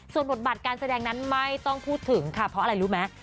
ส่วนบทบาทการแสดงนั้นไม่ต้องพูดถึงค่ะเพราะอะไรรู้ไหม